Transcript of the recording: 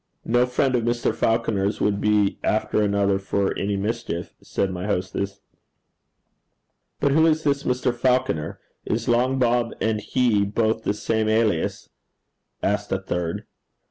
No friend of Mr. Falconer's would be after another for any mischief,' said my hostess. 'But who is this Mr. Falconer? Is Long Bob and he both the same alias?' asked a third.